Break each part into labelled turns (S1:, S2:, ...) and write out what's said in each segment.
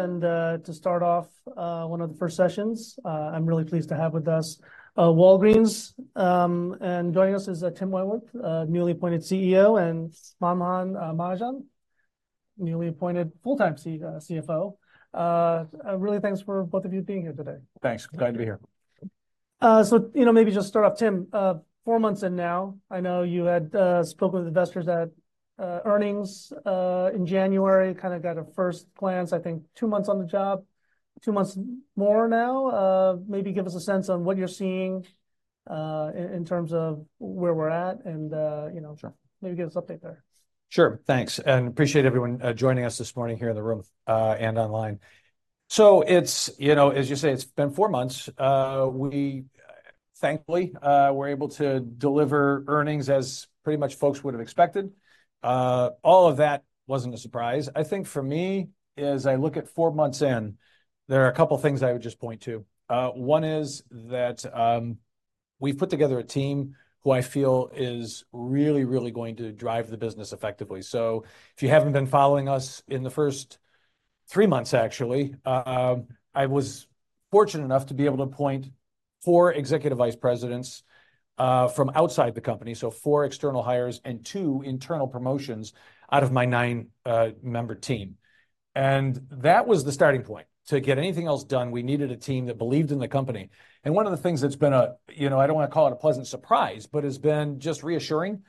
S1: To start off, one of the first sessions, I'm really pleased to have with us, Walgreens, and joining us is, Tim Wentworth, newly appointed CEO, and Manmohan Mahajan, newly appointed full-time CFO. Really thanks for both of you being here today.
S2: Thanks. Glad to be here.
S1: You know, maybe just start off, Tim. 4 months in now, I know you had spoken with investors at earnings in January, kind of got a first glance, I think, 2 months on the job, 2 months more now. Maybe give us a sense on what you're seeing, in terms of where we're at, and, you know.
S2: Sure.
S1: Maybe give us an update there.
S2: Sure. Thanks. And appreciate everyone joining us this morning here in the room, and online. So it's, you know, as you say, it's been four months. We, thankfully, were able to deliver earnings as pretty much folks would have expected. All of that wasn't a surprise. I think for me, as I look at four months in, there are a couple of things I would just point to. One is that we've put together a team who I feel is really, really going to drive the business effectively. So if you haven't been following us in the first three months, actually, I was fortunate enough to be able to appoint four executive vice presidents from outside the company, so four external hires, and two internal promotions out of my nine-member team. And that was the starting point. To get anything else done, we needed a team that believed in the company. One of the things that's been a, you know, I don't want to call it a pleasant surprise, but has been just reassuring,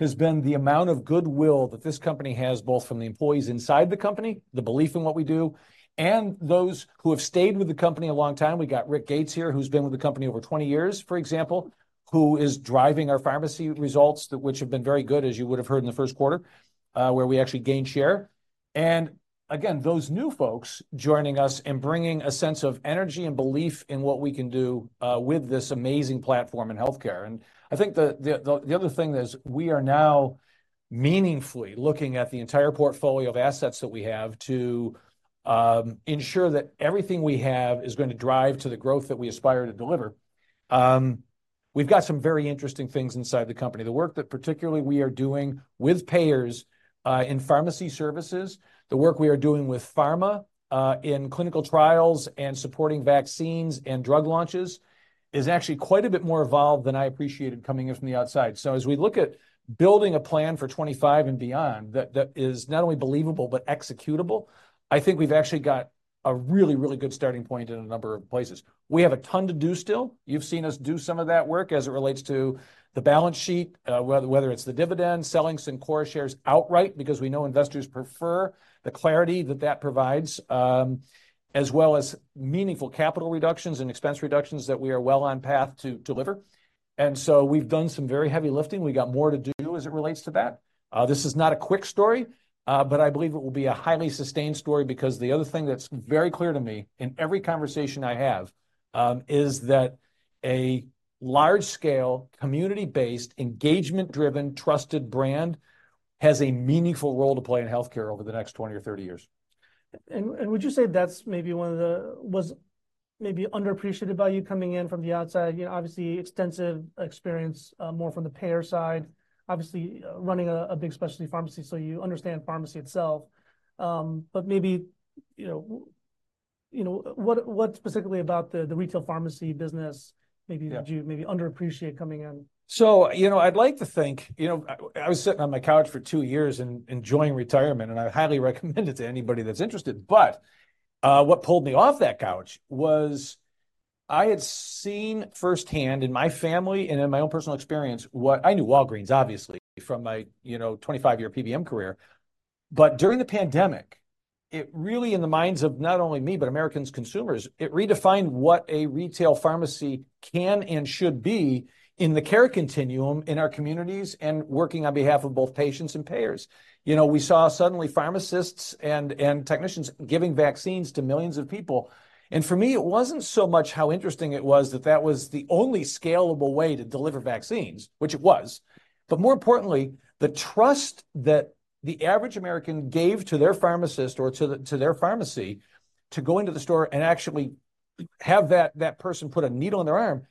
S2: has been the amount of goodwill that this company has, both from the employees inside the company, the belief in what we do, and those who have stayed with the company a long time. We got Rick Gates here, who's been with the company over 20 years, for example, who is driving our pharmacy results, which have been very good, as you would have heard in the first quarter, where we actually gained share. Again, those new folks joining us and bringing a sense of energy and belief in what we can do, with this amazing platform in healthcare. I think the other thing is, we are now meaningfully looking at the entire portfolio of assets that we have to ensure that everything we have is going to drive to the growth that we aspire to deliver. We've got some very interesting things inside the company. The work that particularly we are doing with payers, in pharmacy services, the work we are doing with pharma, in clinical trials and supporting vaccines and drug launches is actually quite a bit more evolved than I appreciated coming in from the outside. So as we look at building a plan for 2025 and beyond that, that is not only believable but executable, I think we've actually got a really, really good starting point in a number of places. We have a ton to do still. You've seen us do some of that work as it relates to the balance sheet, whether it's the dividend, selling some core shares outright, because we know investors prefer the clarity that that provides, as well as meaningful capital reductions and expense reductions that we are well on path to deliver. And so we've done some very heavy lifting. We got more to do as it relates to that. This is not a quick story, but I believe it will be a highly sustained story, because the other thing that's very clear to me in every conversation I have, is that a large-scale, community-based, engagement-driven, trusted brand has a meaningful role to play in healthcare over the next 20 or 30 years.
S1: Would you say that's maybe one of the was maybe underappreciated by you coming in from the outside? You know, obviously, extensive experience, more from the payer side, obviously, running a big specialty pharmacy. So you understand pharmacy itself. But maybe, you know, what specifically about the retail pharmacy business maybe that you maybe underappreciate coming in?
S2: So, you know, I'd like to think, you know, I was sitting on my couch for 2 years and enjoying retirement, and I highly recommend it to anybody that's interested. But, what pulled me off that couch was I had seen firsthand in my family and in my own personal experience what I knew Walgreens, obviously, from my, you know, 25-year PBM career. But during the pandemic, it really, in the minds of not only me but American consumers, it redefined what a retail pharmacy can and should be in the care continuum in our communities and working on behalf of both patients and payers. You know, we saw suddenly pharmacists and technicians giving vaccines to millions of people. And for me, it wasn't so much how interesting it was that that was the only scalable way to deliver vaccines, which it was. But more importantly, the trust that the average American gave to their pharmacist or to their pharmacy to go into the store and actually have that person put a needle in their arm.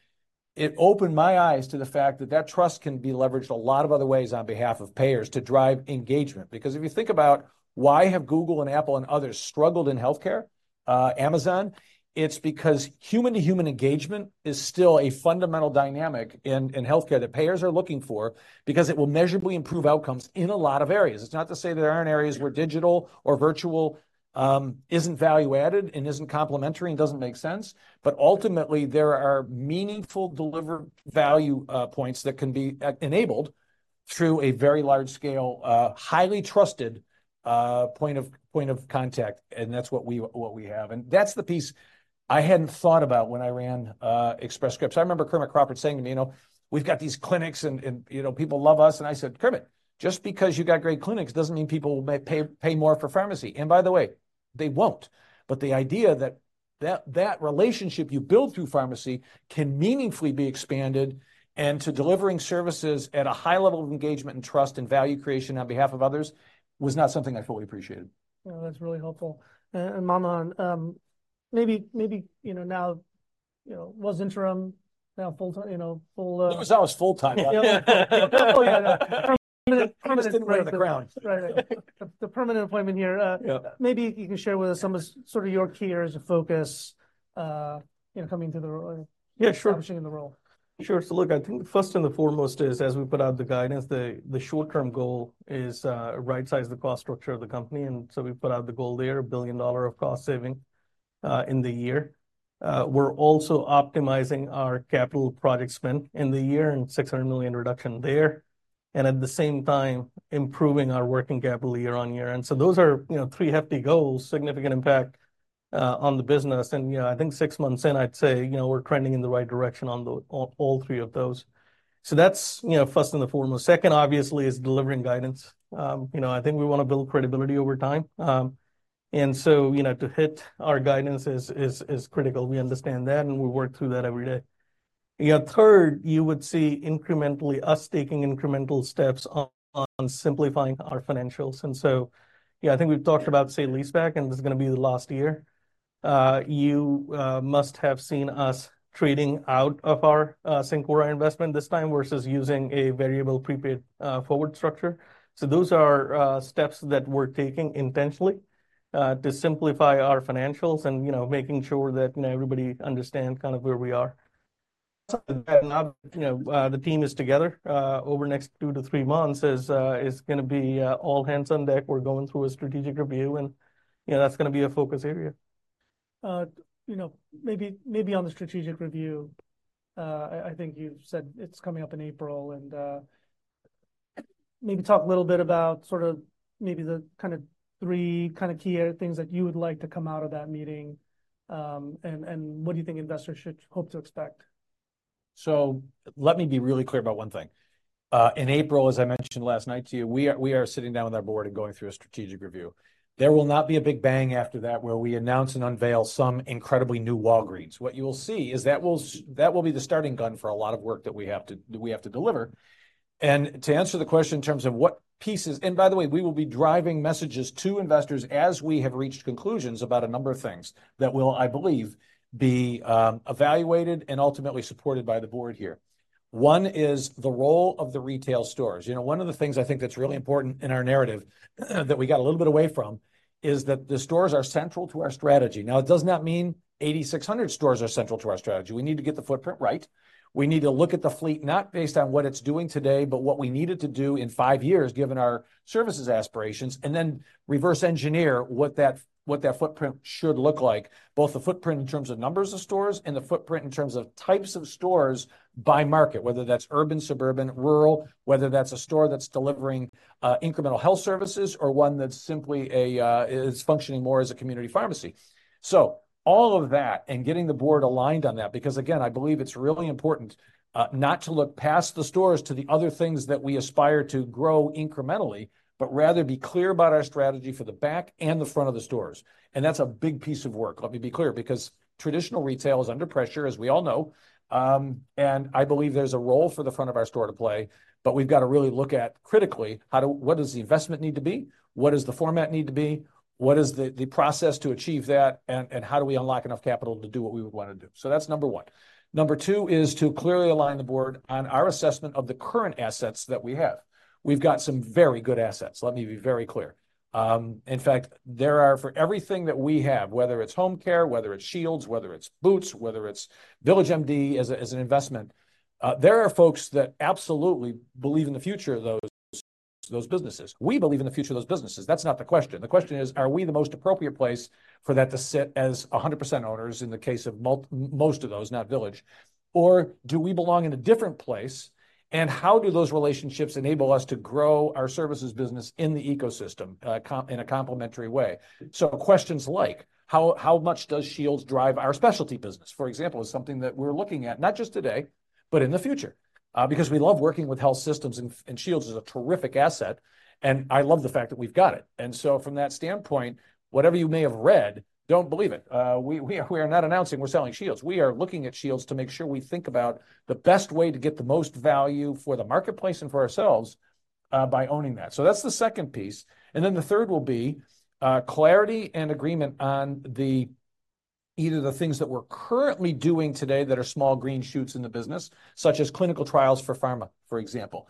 S2: It opened my eyes to the fact that that trust can be leveraged a lot of other ways on behalf of payers to drive engagement. Because if you think about why have Google and Apple and others struggled in healthcare, Amazon, it's because human-to-human engagement is still a fundamental dynamic in healthcare that payers are looking for, because it will measurably improve outcomes in a lot of areas. It's not to say there aren't areas where digital or virtual isn't value added and isn't complementary and doesn't make sense. But ultimately, there are meaningful delivered value points that can be enabled through a very large-scale, highly trusted point of contact. And that's what we have. And that's the piece I hadn't thought about when I ran Express Scripts. I remember Kermit Crawford saying to me, you know, we've got these clinics and, you know, people love us. And I said, Kermit, just because you got great clinics doesn't mean people will pay more for pharmacy. And by the way, they won't. But the idea that relationship you build through pharmacy can meaningfully be expanded to delivering services at a high level of engagement and trust and value creation on behalf of others was not something I fully appreciated.
S1: No, that's really helpful. And Manmohan, maybe you know, now, you know, was interim, now full-time, you know, full,
S2: I was full-time.
S1: Oh, yeah, yeah.
S2: Permanent appointment.
S1: Kermit is getting rid of the crown.
S2: Right, right. The permanent appointment here. Maybe you can share with us some of sort of your key areas of focus, you know, coming into the role. Yeah, sure. Establishing in the role.
S3: Sure. So look, I think the first and the foremost is, as we put out the guidance, the short-term goal is, right-size the cost structure of the company. So we put out the goal there, $1 billion of cost saving, in the year. We're also optimizing our capital project spend in the year and $600 million reduction there. And at the same time, improving our working capital year on year. And so those are, you know, three hefty goals, significant impact, on the business. And, you know, I think six months in, I'd say, you know, we're trending in the right direction on all three of those. So that's, you know, first and the foremost. Second, obviously, is delivering guidance. You know, I think we want to build credibility over time. And so, you know, to hit our guidance is critical. We understand that, and we work through that every day. You know, third, you would see incrementally us taking incremental steps on simplifying our financials. And so, yeah, I think we've talked about, sa lease back, and it's going to be the last year. You must have seen us trading out of our Cencora investment this time versus using a variable prepaid forward structure. So those are steps that we're taking intentionally to simplify our financials and, you know, making sure that, you know, everybody understands kind of where we are. And now, you know, the team is together; over the next 2-3 months is going to be all hands on deck. We're going through a strategic review, and, you know, that's going to be a focus area.
S1: You know, maybe on the strategic review. I think you've said it's coming up in April, and maybe talk a little bit about sort of maybe the kind of 3 kind of key things that you would like to come out of that meeting. And what do you think investors should hope to expect?
S2: So let me be really clear about one thing. In April, as I mentioned last night to you, we are sitting down with our board and going through a strategic review. There will not be a big bang after that, where we announce and unveil some incredibly new Walgreens. What you will see is that will be the starting gun for a lot of work that we have to deliver. And to answer the question in terms of what pieces and by the way, we will be driving messages to investors as we have reached conclusions about a number of things that will, I believe, be evaluated and ultimately supported by the board here. One is the role of the retail stores. You know, one of the things I think that's really important in our narrative that we got a little bit away from is that the stores are central to our strategy. Now, it does not mean 8,600 stores are central to our strategy. We need to get the footprint right. We need to look at the fleet, not based on what it's doing today, but what we need it to do in five years, given our services aspirations, and then reverse engineer what that footprint should look like, both the footprint in terms of numbers of stores and the footprint in terms of types of stores by market, whether that's urban, suburban, rural, whether that's a store that's delivering incremental health services, or one that's simply a is functioning more as a community pharmacy. So all of that and getting the board aligned on that, because, again, I believe it's really important, not to look past the stores to the other things that we aspire to grow incrementally, but rather be clear about our strategy for the back and the front of the stores. And that's a big piece of work. Let me be clear, because traditional retail is under pressure, as we all know. I believe there's a role for the front of our store to play. But we've got to really look at critically how to what does the investment need to be? What does the format need to be? What is the process to achieve that? And how do we unlock enough capital to do what we would want to do? So that's number one. Number 2 is to clearly align the board on our assessment of the current assets that we have. We've got some very good assets. Let me be very clear. In fact, there are for everything that we have, whether it's home care, whether it's Shields, whether it's Boots, whether it's VillageMD as an investment, there are folks that absolutely believe in the future of those businesses. We believe in the future of those businesses. That's not the question. The question is, are we the most appropriate place for that to sit as 100% owners in the case of most of those, not Village? Or do we belong in a different place? And how do those relationships enable us to grow our services business in the ecosystem, in a complementary way? So questions like, how much does Shields drive our specialty business, for example, is something that we're looking at, not just today, but in the future, because we love working with health systems, and Shields is a terrific asset. And I love the fact that we've got it. And so from that standpoint, whatever you may have read, don't believe it. We are not announcing we're selling Shields. We are looking at Shields to make sure we think about the best way to get the most value for the marketplace and for ourselves, by owning that. So that's the second piece. And then the third will be clarity and agreement on either the things that we're currently doing today that are small green shoots in the business, such as clinical trials for pharma, for example,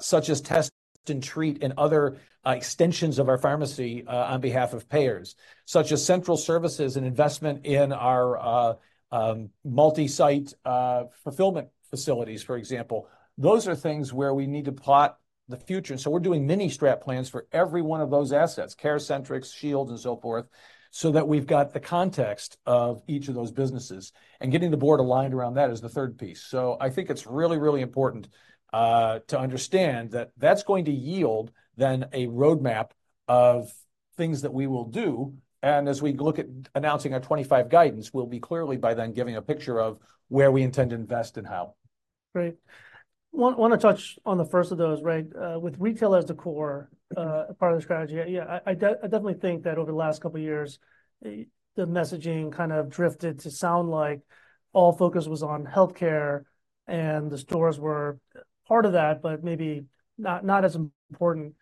S2: such as Test and Treat and other extensions of our pharmacy on behalf of payers, such as central services and investment in our multi-site fulfillment facilities, for example. Those are things where we need to plot the future. And so we're doing mini-strat plans for every one of those assets, CareCentrix, Shields, and so forth, so that we've got the context of each of those businesses. And getting the board aligned around that is the third piece. So I think it's really, really important to understand that that's going to yield then a roadmap of things that we will do. As we look at announcing our 2025 guidance, we'll be clearly by then giving a picture of where we intend to invest and how.
S1: Great. Want to touch on the first of those, right? With retail as the core, part of the strategy. Yeah, I definitely think that over the last couple of years, the messaging kind of drifted to sound like all focus was on healthcare, and the stores were part of that, but maybe not as important.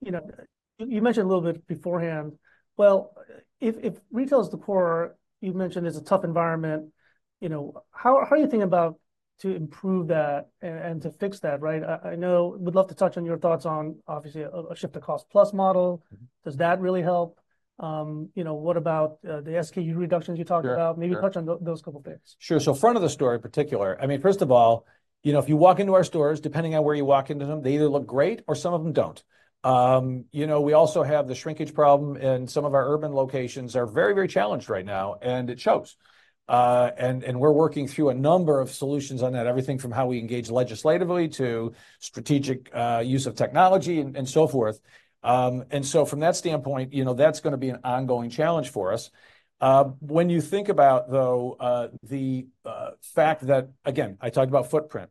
S1: You know, you mentioned a little bit beforehand. Well, if retail is the core, you mentioned it's a tough environment. You know, how are you thinking about to improve that and to fix that, right? I know would love to touch on your thoughts on, obviously, a shift to cost-plus model. Does that really help? You know, what about the SKU reductions you talked about? Maybe touch on those couple of things.
S2: Sure. So front of the store in particular. I mean, first of all, you know, if you walk into our stores, depending on where you walk into them, they either look great or some of them don't. You know, we also have the shrinkage problem, and some of our urban locations are very, very challenged right now, and it shows. And we're working through a number of solutions on that, everything from how we engage legislatively to strategic use of technology and so forth. So from that standpoint, you know, that's going to be an ongoing challenge for us. When you think about, though, the fact that, again, I talked about footprint,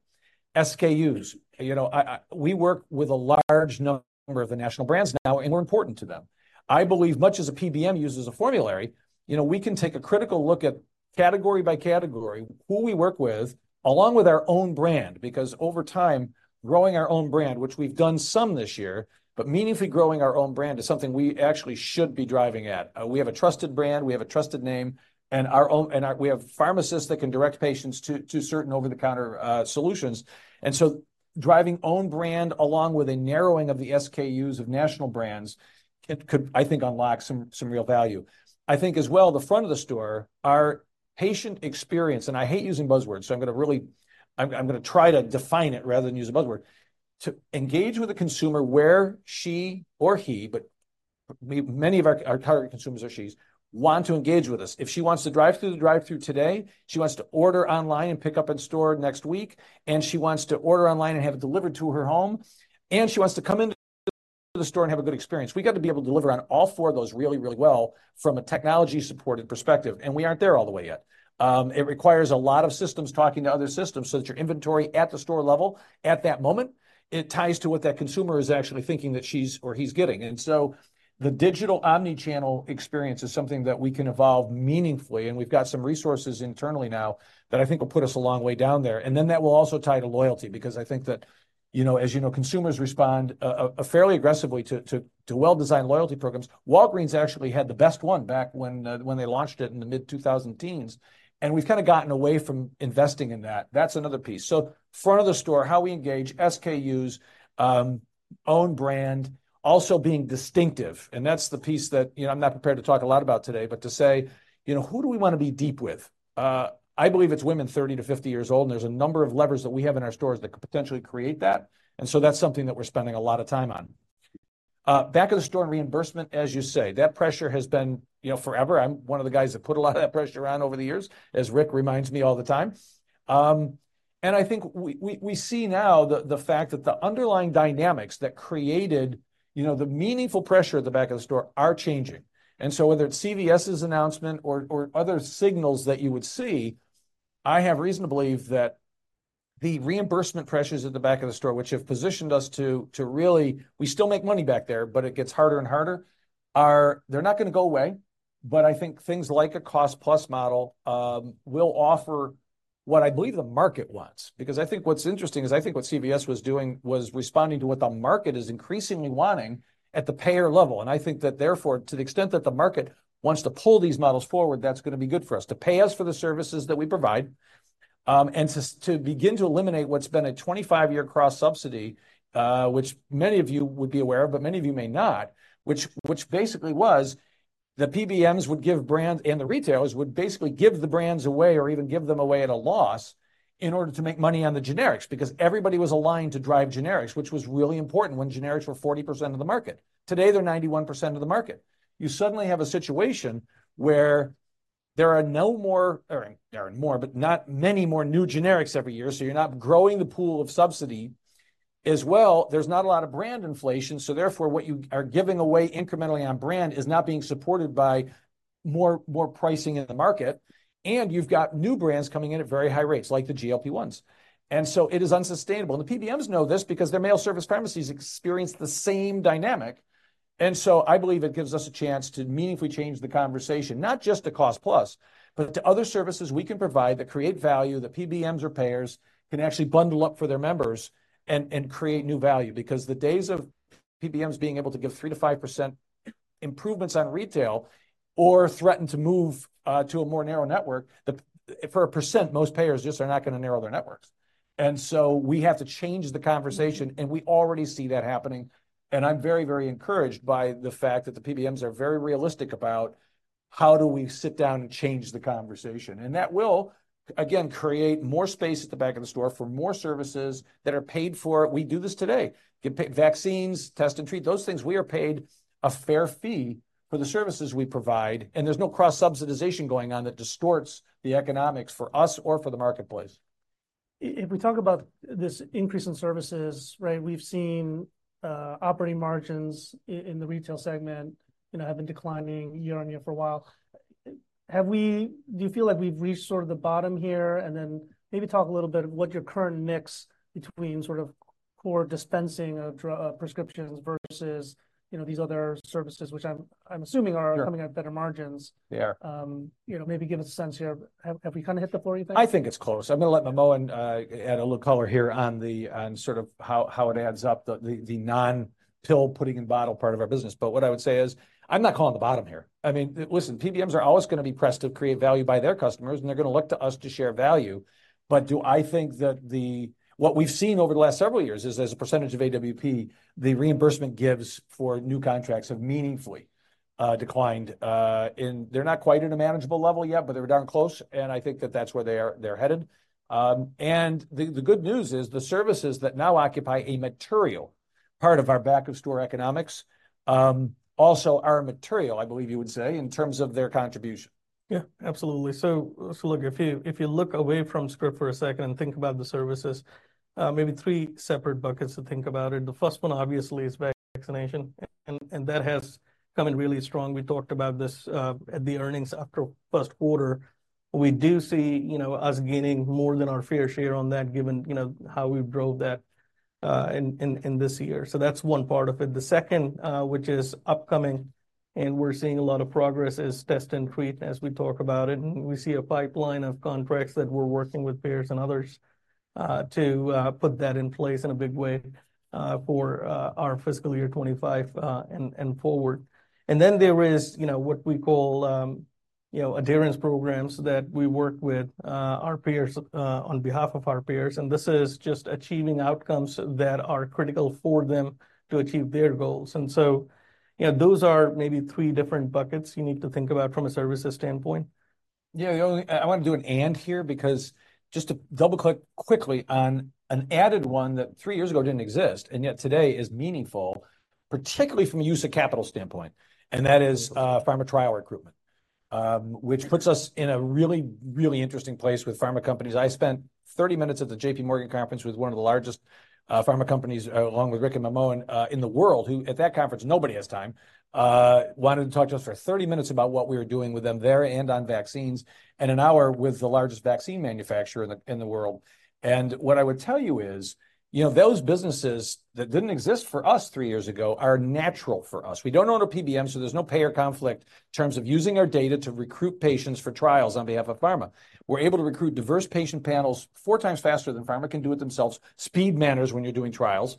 S2: SKUs, you know, we work with a large number of the national brands now, and we're important to them. I believe, much as a PBM uses a formulary, you know, we can take a critical look at category by category, who we work with, along with our own brand, because over time, growing our own brand, which we've done some this year, but meaningfully growing our own brand is something we actually should be driving at. We have a trusted brand. We have a trusted name. And our own and our we have pharmacists that can direct patients to certain over-the-counter solutions. And so driving own brand, along with a narrowing of the SKUs of national brands, could, I think, unlock some real value. I think as well, the front of the store, our patient experience, and I hate using buzzwords, so I'm going to really try to define it rather than use a buzzword, to engage with the consumer where she or he, but many of our target consumers are she's, want to engage with us. If she wants to drive through the drive-through today, she wants to order online and pick up in store next week, and she wants to order online and have it delivered to her home, and she wants to come into the store and have a good experience. We got to be able to deliver on all 4 of those really, really well from a technology-supported perspective. And we aren't there all the way yet. It requires a lot of systems talking to other systems so that your inventory at the store level at that moment, it ties to what that consumer is actually thinking that she's or he's getting. And so the digital omnichannel experience is something that we can evolve meaningfully. And we've got some resources internally now that I think will put us a long way down there. And then that will also tie to loyalty, because I think that, you know, as you know, consumers respond fairly aggressively to well-designed loyalty programs. Walgreens actually had the best one back when they launched it in the mid-2000s. And we've kind of gotten away from investing in that. That's another piece. So front of the store, how we engage, SKUs, own brand, also being distinctive. That's the piece that, you know, I'm not prepared to talk a lot about today, but to say, you know, who do we want to be deep with? I believe it's women 30-50 years old, and there's a number of levers that we have in our stores that could potentially create that. So that's something that we're spending a lot of time on. Back of the store and reimbursement, as you say, that pressure has been, you know, forever. I'm one of the guys that put a lot of that pressure on over the years, as Rick reminds me all the time. And I think we see now the fact that the underlying dynamics that created, you know, the meaningful pressure at the back of the store are changing. And so whether it's CVS's announcement or other signals that you would see, I have reason to believe that the reimbursement pressures at the back of the store, which have positioned us to really we still make money back there, but it gets harder and harder, are not going to go away. But I think things like a Cost Plus Model will offer what I believe the market wants. Because I think what's interesting is I think what CVS was doing was responding to what the market is increasingly wanting at the payer level. And I think that, therefore, to the extent that the market wants to pull these models forward, that's going to be good for us to pay us for the services that we provide. and to begin to eliminate what's been a 25-year cross-subsidy, which many of you would be aware of, but many of you may not, which basically was the PBMs would give brands and the retailers would basically give the brands away or even give them away at a loss in order to make money on the generics, because everybody was aligned to drive generics, which was really important when generics were 40% of the market. Today, they're 91% of the market. You suddenly have a situation where there are no more or there aren't more, but not many more new generics every year. So you're not growing the pool of subsidy as well. There's not a lot of brand inflation. So, therefore, what you are giving away incrementally on brand is not being supported by more pricing in the market. You've got new brands coming in at very high rates, like the GLP-1s. So it is unsustainable. The PBMs know this because their mail service pharmacies experience the same dynamic. So I believe it gives us a chance to meaningfully change the conversation, not just to cost plus, but to other services we can provide that create value, that PBMs or payers can actually bundle up for their members and create new value. Because the days of PBMs being able to give 3%-5% improvements on retail or threaten to move to a more narrow network for 4%, most payers just are not going to narrow their networks. So we have to change the conversation. And we already see that happening. I'm very, very encouraged by the fact that the PBMs are very realistic about how do we sit down and change the conversation. That will, again, create more space at the back of the store for more services that are paid for. We do this today. Get paid vaccines, Test and Treat, those things. We are paid a fair fee for the services we provide. There's no cross-subsidization going on that distorts the economics for us or for the marketplace.
S1: If we talk about this increase in services, right, we've seen operating margins in the retail segment, you know, have been declining year-over-year for a while. Have you, do you feel like we've reached sort of the bottom here? And then maybe talk a little bit of what your current mix between sort of core dispensing of prescriptions versus, you know, these other services, which I'm assuming are coming at better margins.
S2: Yeah.
S1: You know, maybe give us a sense here. Have we kind of hit the floor, you think?
S2: I think it's close. I'm going to let Manmohan add a little color here on sort of how it adds up, the non-pill putting in bottle part of our business. But what I would say is I'm not calling the bottom here. I mean, listen, PBMs are always going to be pressed to create value by their customers, and they're going to look to us to share value. But do I think that what we've seen over the last several years is, as a percentage of AWP, the reimbursement gives for new contracts have meaningfully declined. And they're not quite at a manageable level yet, but they're darn close. And I think that that's where they are headed. And the good news is the services that now occupy a material part of our back-of-store economics, also are material, I believe you would say, in terms of their contribution.
S1: Yeah, absolutely. So look, if you look away from Script for a second and think about the services, maybe three separate buckets to think about it. The first one, obviously, is vaccination. And that has come in really strong. We talked about this, at the earnings after first quarter. We do see, you know, us gaining more than our fair share on that, given, you know, how we drove that, in this year. So that's one part of it. The second, which is upcoming, and we're seeing a lot of progress is test and treat as we talk about it. And we see a pipeline of contracts that we're working with peers and others, to put that in place in a big way, for our fiscal year 2025, and forward. Then there is, you know, what we call, you know, adherence programs that we work with, our peers, on behalf of our peers. This is just achieving outcomes that are critical for them to achieve their goals. So, you know, those are maybe three different buckets you need to think about from a services standpoint.
S2: Yeah, the only I want to do an and here because just to double-click quickly on an added one that 3 years ago didn't exist, and yet today is meaningful, particularly from a use of capital standpoint. That is, pharma trial recruitment, which puts us in a really, really interesting place with pharma companies. I spent 30 minutes at the JP Morgan conference with one of the largest pharma companies, along with Rick and Manmohan, in the world, who at that conference, nobody has time, wanted to talk to us for 30 minutes about what we were doing with them there and on vaccines, and 1 hour with the largest vaccine manufacturer in the in the world. What I would tell you is, you know, those businesses that didn't exist for us 3 years ago are natural for us. We don't own a PBM, so there's no payer conflict in terms of using our data to recruit patients for trials on behalf of pharma. We're able to recruit diverse patient panels 4 times faster than pharma can do it themselves; speed matters when you're doing trials.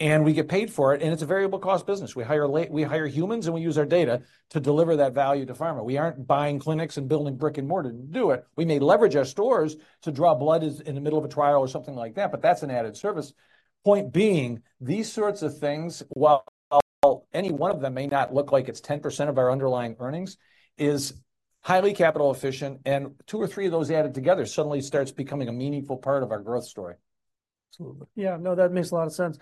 S2: And we get paid for it, and it's a variable cost business. We hire late; we hire humans, and we use our data to deliver that value to pharma. We aren't buying clinics and building brick and mortar to do it. We may leverage our stores to draw blood in the middle of a trial or something like that, but that's an added service. Point being, these sorts of things, while any one of them may not look like it's 10% of our underlying earnings, is highly capital efficient. 2 or 3 of those added together suddenly starts becoming a meaningful part of our growth story.
S1: Absolutely. Yeah, no, that makes a lot of sense.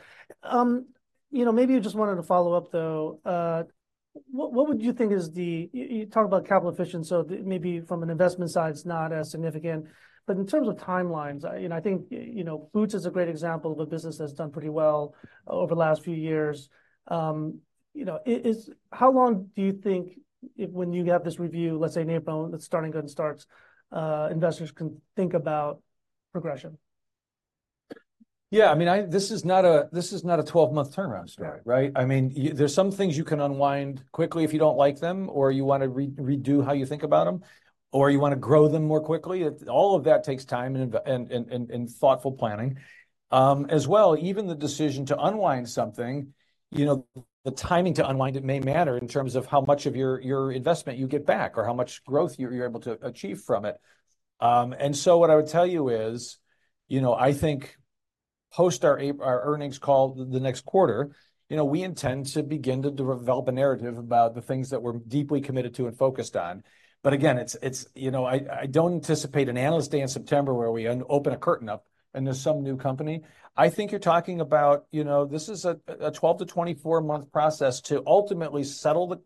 S1: You know, maybe you just wanted to follow up, though. What what would you think is the you talk about capital efficient, so maybe from an investment side, it's not as significant. But in terms of timelines, you know, I think, you know, Boots is a great example of a business that's done pretty well over the last few years. You know, it is how long do you think if when you have this review, let's say Napalm, that's starting good and starts, investors can think about progression?
S2: Yeah, I mean, this is not a 12-month turnaround story, right? I mean, there's some things you can unwind quickly if you don't like them, or you want to redo how you think about them, or you want to grow them more quickly. All of that takes time and thoughtful planning as well, even the decision to unwind something, you know, the timing to unwind it may matter in terms of how much of your investment you get back or how much growth you're able to achieve from it. And so what I would tell you is, you know, I think post our earnings call the next quarter, you know, we intend to begin to develop a narrative about the things that we're deeply committed to and focused on. But again, it's, you know, I don't anticipate an analyst day in September where we open a curtain up and there's some new company. I think you're talking about, you know, this is a 12-24-month process to ultimately settle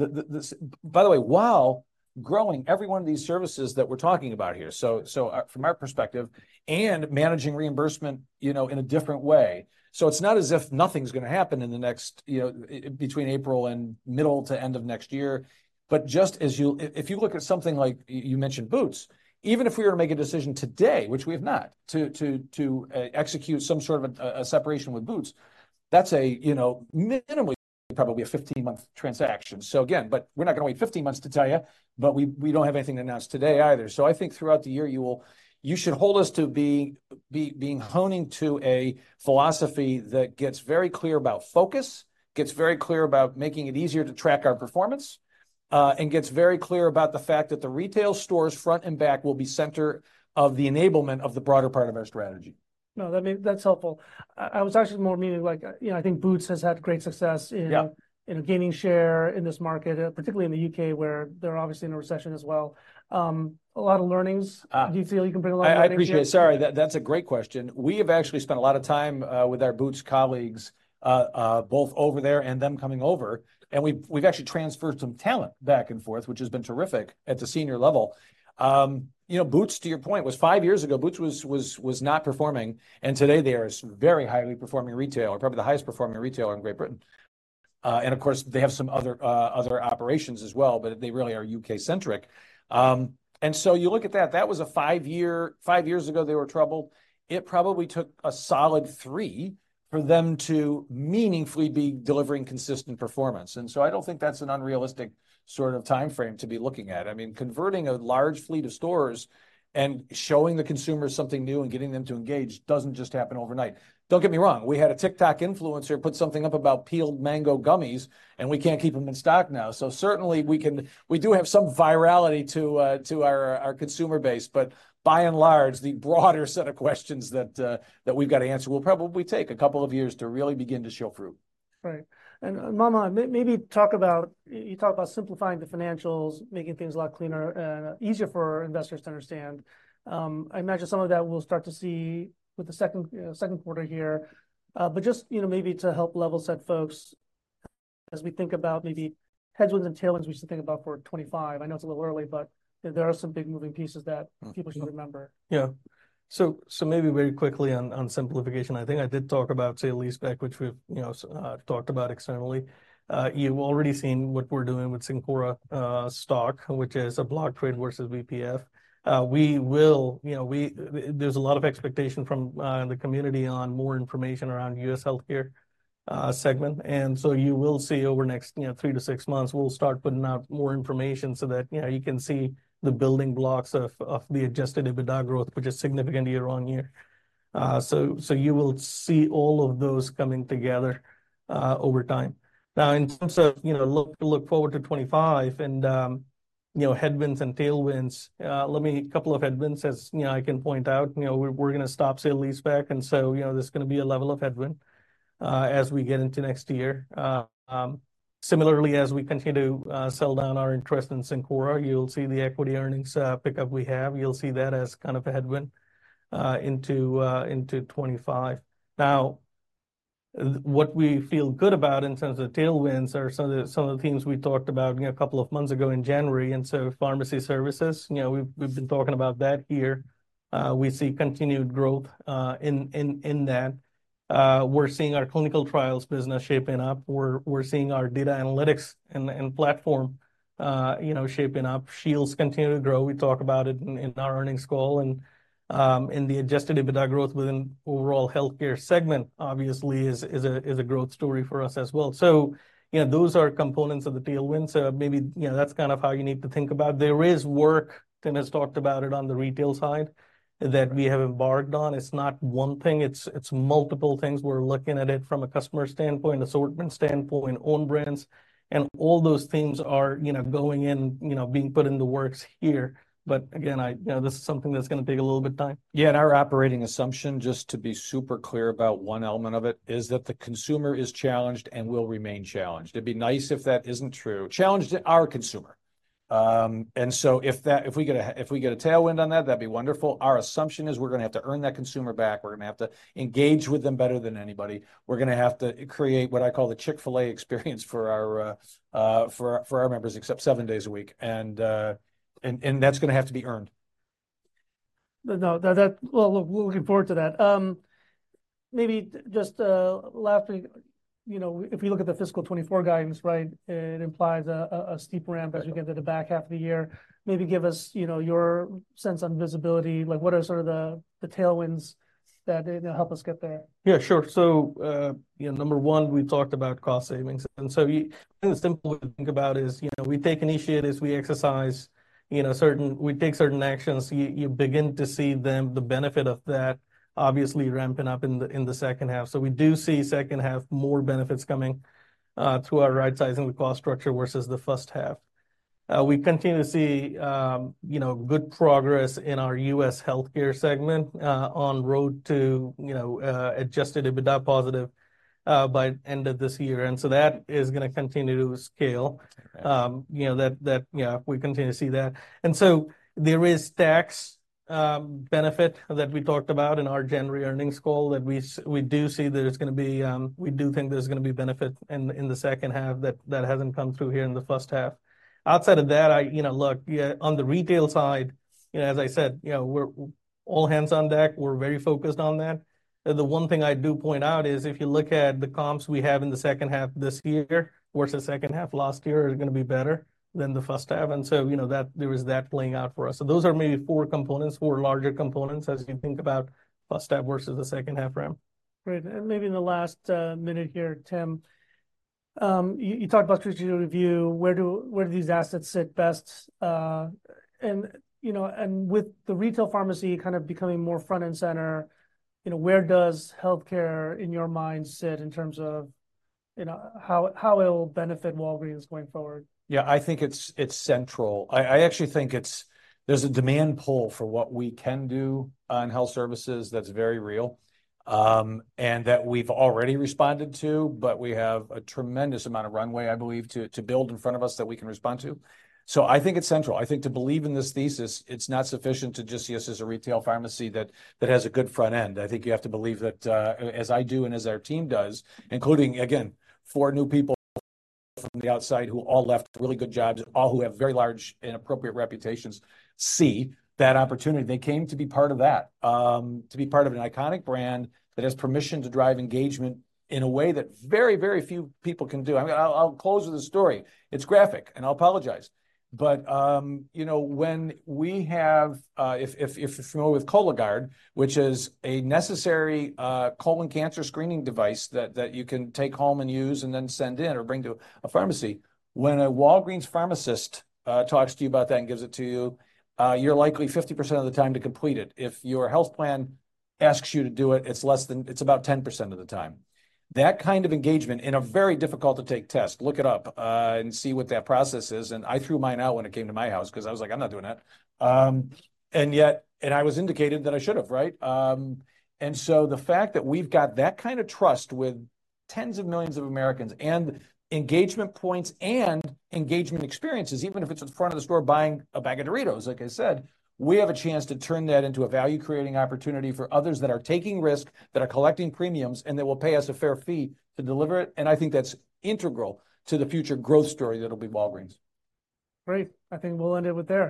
S2: the, by the way, while growing every one of these services that we're talking about here. So from our perspective and managing reimbursement, you know, in a different way. So it's not as if nothing's going to happen in the next, you know, between April and middle to end of next year. But just as you if you look at something like you mentioned Boots, even if we were to make a decision today, which we have not, to execute some sort of a separation with Boots, that's a, you know, minimally probably a 15-month transaction. Again, we're not going to wait 15 months to tell you, but we don't have anything to announce today either. I think throughout the year, you should hold us to being honing to a philosophy that gets very clear about focus, gets very clear about making it easier to track our performance, and gets very clear about the fact that the retail stores front and back will be center of the enablement of the broader part of our strategy.
S1: No, that means that's helpful. I was actually more meaning like, you know, I think Boots has had great success in, you know, gaining share in this market, particularly in the U.K., where they're obviously in a recession as well. A lot of learnings. Do you feel you can bring a lot of knowledge?
S2: I appreciate. Sorry, that's a great question. We have actually spent a lot of time, with our Boots colleagues, both over there and them coming over. And we've actually transferred some talent back and forth, which has been terrific at the senior level. You know, Boots, to your point, was 5 years ago. Boots was not performing. And today, they are a very highly performing retailer, probably the highest performing retailer in Great Britain. And of course, they have some other operations as well, but they really are UK-centric. And so you look at that. That was 5 years ago; they were troubled. It probably took a solid 3 years for them to meaningfully be delivering consistent performance. And so I don't think that's an unrealistic sort of timeframe to be looking at. I mean, converting a large fleet of stores and showing the consumers something new and getting them to engage doesn't just happen overnight. Don't get me wrong. We had a TikTok influencer put something up about peeled mango gummies, and we can't keep them in stock now. So certainly, we can do have some virality to our consumer base. But by and large, the broader set of questions that we've got to answer, we'll probably take a couple of years to really begin to show fruit.
S1: Right. And Manmohan, maybe talk about you talk about simplifying the financials, making things a lot cleaner and easier for investors to understand. I imagine some of that we'll start to see with the second quarter here. But just, you know, maybe to help level set folks as we think about maybe headwinds and tailwinds we should think about for 2025. I know it's a little early, but there are some big moving pieces that people should remember.
S2: Yeah. So maybe very quickly on simplification. I think I did talk about sale-leaseback, which we've, you know, talked about externally. You've already seen what we're doing with Cencora stock, which is a block trade versus VPF. We will, you know, there's a lot of expectation from the community on more information around U.S. healthcare segment. And so you will see over the next, you know, 3-6 months, we'll start putting out more information so that, you know, you can see the building blocks of the adjusted EBITDA growth, which is significant year-on-year. So you will see all of those coming together over time. Now, in terms of, you know, look forward to 2025 and, you know, headwinds and tailwinds, let me a couple of headwinds, as you know, I can point out, you know, we're going to stop sale-leaseback. And so, you know, there's going to be a level of headwind, as we get into next year. Similarly, as we continue to sell down our interest in Cencora, you'll see the equity earnings pickup we have. You'll see that as kind of a headwind into 2025. Now, what we feel good about in terms of tailwinds are some of the themes we talked about, you know, a couple of months ago in January. And so pharmacy services, you know, we've been talking about that here. We see continued growth in that. We're seeing our clinical trials business shaping up. We're seeing our data analytics and platform, you know, shaping up. Shields continue to grow. We talk about it in our earnings call. And the adjusted EBITDA growth within overall healthcare segment, obviously, is a growth story for us as well. So, you know, those are components of the tailwind. So maybe, you know, that's kind of how you need to think about. There is work, Tim has talked about it, on the retail side that we have embarked on. It's not one thing. It's multiple things. We're looking at it from a customer standpoint, assortment standpoint, own brands. And all those themes are, you know, going in, you know, being put into works here. But again, I, you know, this is something that's going to take a little bit of time. Yeah. And our operating assumption, just to be super clear about 1 element of it, is that the consumer is challenged and will remain challenged. It'd be nice if that isn't true. Challenge to our consumer. And so if we get a tailwind on that, that'd be wonderful. Our assumption is we're going to have to earn that consumer back. We're going to have to engage with them better than anybody. We're going to have to create what I call the Chick-fil-A experience for our members, except 7 days a week. And that's going to have to be earned.
S1: No, no, that well, look, we're looking forward to that. Maybe just, lastly, you know, if we look at the fiscal 2024 guidance, right, it implies a steep ramp as we get into the back half of the year. Maybe give us, you know, your sense on visibility. Like, what are sort of the tailwinds that, you know, help us get there?
S2: Yeah, sure. So, you know, No. 1, we talked about cost savings. And so the thing that's simple to think about is, you know, we take initiatives. We exercise, you know, certain actions. You begin to see them, the benefit of that, obviously, ramping up in the second half. So we do see second half more benefits coming through our right-sizing the cost structure versus the first half. We continue to see, you know, good progress in our U.S. healthcare segment, on the road to, you know, adjusted EBITDA positive, by the end of this year. And so that is going to continue to scale. You know, that, you know, we continue to see that. There is a tax benefit that we talked about in our January earnings call that we do see there's going to be benefit in the second half that hasn't come through here in the first half. Outside of that, I, you know, look, yeah, on the retail side, you know, as I said, you know, we're all hands on deck. We're very focused on that. The one thing I do point out is if you look at the comps we have in the second half this year versus second half last year, it's going to be better than the first half. And so, you know, there is that playing out for us. So those are maybe four components, four larger components, as you think about first half versus the second half ramp.
S1: Great. And maybe in the last minute here, Tim, you talked about strategic review. Where do these assets sit best? And, you know, with the retail pharmacy kind of becoming more front and center, you know, where does healthcare, in your mind, sit in terms of, you know, how it will benefit Walgreens going forward?
S2: Yeah, I think it's central. I actually think there's a demand pull for what we can do on health services that's very real, and that we've already responded to. But we have a tremendous amount of runway, I believe, to build in front of us that we can respond to. So I think it's central. I think to believe in this thesis, it's not sufficient to just see us as a retail pharmacy that has a good front end. I think you have to believe that, as I do and as our team does, including, again, four new people from the outside who all left really good jobs, all who have very large and appropriate reputations, see that opportunity. They came to be part of that, to be part of an iconic brand that has permission to drive engagement in a way that very, very few people can do. I'm going to close with a story. It's graphic, and I'll apologize. But, you know, if you're familiar with Cologuard, which is a necessary colon cancer screening device that you can take home and use and then send in or bring to a pharmacy, when a Walgreens pharmacist talks to you about that and gives it to you, you're likely 50% of the time to complete it. If your health plan asks you to do it, it's less than it's about 10% of the time. That kind of engagement in a very difficult-to-take test. Look it up, and see what that process is. I threw mine out when it came to my house because I was like, "I'm not doing that." And yet and I was indicated that I should have, right? And so the fact that we've got that kind of trust with tens of millions of Americans and engagement points and engagement experiences, even if it's in front of the store buying a bag of Doritos, like I said, we have a chance to turn that into a value-creating opportunity for others that are taking risk, that are collecting premiums, and that will pay us a fair fee to deliver it. And I think that's integral to the future growth story that'll be Walgreens.
S1: Great. I think we'll end it with there.